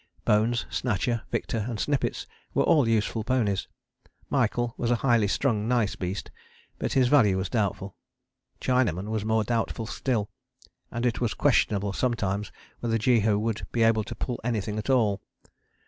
Bones, Snatcher, Victor and Snippets were all useful ponies. Michael was a highly strung nice beast, but his value was doubtful; Chinaman was more doubtful still, and it was questionable sometimes whether Jehu would be able to pull anything at all.